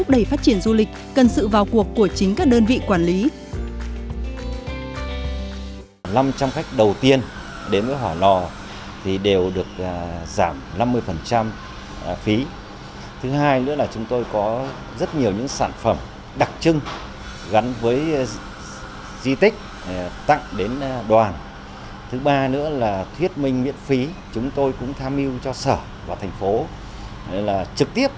đẩy phát triển du lịch cần sự vào cuộc của chính các đơn vị quản lý